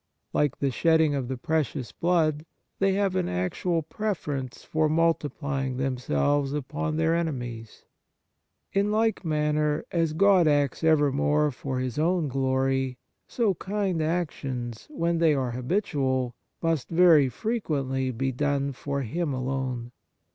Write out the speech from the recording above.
Like the shedding of the Precious Blood, they have an actual preference for multiplying them 7—2 100 Kindness selves upon their enemies. In like manner as God acts evermore for His own glory, so kind actions, when they are habitual, must very frequently be done for Him alone.